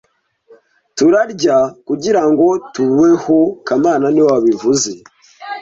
Turarya kugirango tubeho kamana niwe wabivuze